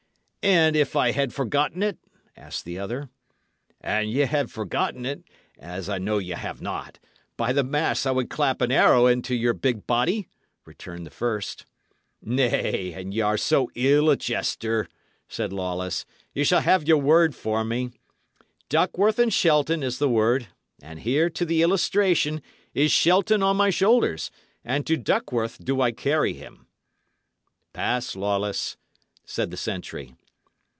"And if I had forgotten it?" asked the other. "An ye had forgotten it as I know y' 'ave not by the mass, I would clap an arrow into your big body," returned the first. "Nay, an y' are so ill a jester," said Lawless, "ye shall have your word for me. 'Duckworth and Shelton' is the word; and here, to the illustration, is Shelton on my shoulders, and to Duckworth do I carry him." "Pass, Lawless," said the sentry.